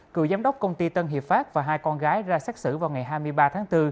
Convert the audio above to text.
cựu giám đốc công ty tân hiệp pháp và hai con gái ra xác xử vào ngày hai mươi ba tháng bốn